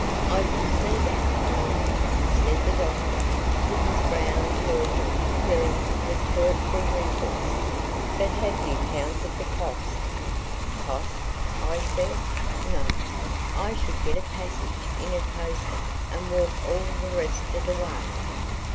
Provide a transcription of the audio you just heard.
"I can see that, my lad," said the doctor, with his brown forehead filling with thoughtful wrinkles; "but have you counted the cost?" "Cost!" I said. "No. I should get a passage in a coaster and walk all the rest of the way."